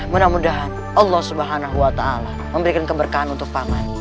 mudah mudahan allah swt memberikan keberkahan untuk pangan